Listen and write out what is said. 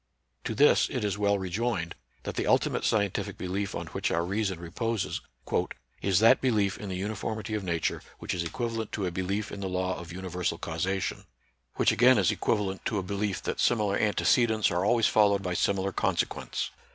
To this it is well rejoined, that the ultimate scientific belief on which our reason reposes " is that belief in the uniformity of Nature which is equivalent to a belief in the law of universal causation ; which again is equivalent to a belief that similar antecedents are always followed by NATURAL SCIENCE AND RELIGION. 95 similar consequents.